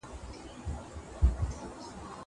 زه قلم استعمالوم کړی دی.